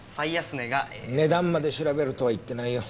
値段まで調べろとは言ってないよ。